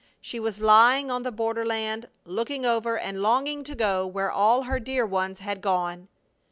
She was lying on the borderland, looking over and longing to go where all her dear ones had gone.